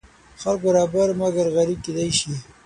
خلک برابر مګر غریب کیدی شي.